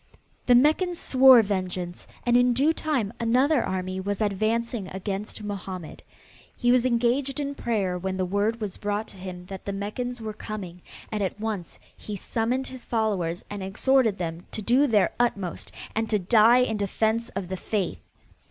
The Meccans swore vengeance and in due time another army was advancing against Mohammed. He was engaged in prayer when the word was brought to him that the Meccans were coming and at once he summoned his followers and exhorted them to do their utmost and to die in defense of the faith.